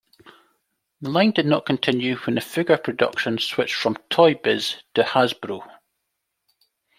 The line did not continue when figure production switched from Toy Biz to Hasbro.